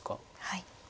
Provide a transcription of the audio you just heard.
はい。